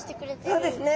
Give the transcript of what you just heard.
そうですね！